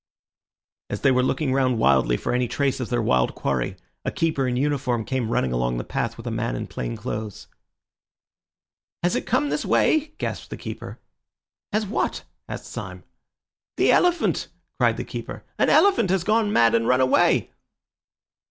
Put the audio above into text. As they were looking round wildly for any trace of their wild quarry, a keeper in uniform came running along the path with a man in plain clothes. "Has it come this way?" gasped the keeper. "Has what?" asked Syme. "The elephant!" cried the keeper. "An elephant has gone mad and run away!"